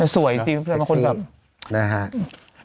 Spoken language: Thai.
สวยจริงเป็นแบบ